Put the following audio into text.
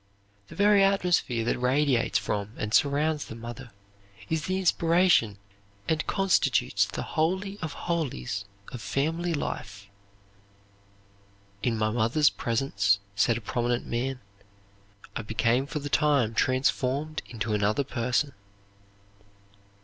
The very atmosphere that radiates from and surrounds the mother is the inspiration and constitutes the holy of holies of family life. "In my mother's presence," said a prominent man, "I become for the time transformed into another person."